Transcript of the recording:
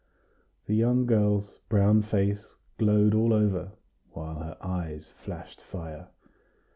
The young girl's brown face glowed all over, while her eyes flashed fire.